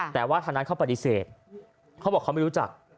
แต่ว่าทางนั้นเขาปฏิเสธเขาบอกเขาไม่รู้จัก